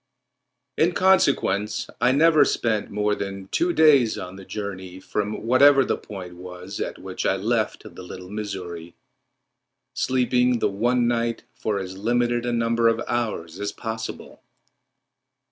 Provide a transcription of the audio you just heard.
In consequence I never spent more than two days on the journey from whatever the point was at which I left the Little Missouri, sleeping the one night for as limited a number of hours as possible.